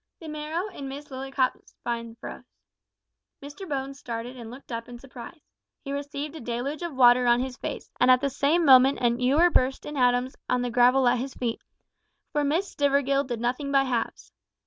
The marrow in Miss Lillycrop's spine froze. Mr Bones started and looked up in surprise. He received a deluge of water on his face, and at the same moment a ewer burst in atoms on the gravel at his feet for Miss Stivergill did nothing by halves.